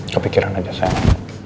kepikiran aja sayang